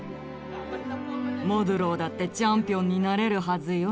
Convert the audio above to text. モドゥローだってチャンピオンになれるはずよ。